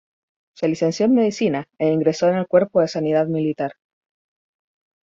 Se licenció en Medicina e ingresó en el Cuerpo de Sanidad Militar.